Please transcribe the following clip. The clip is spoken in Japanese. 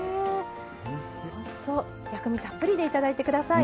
薬味たっぷりでいただいてください。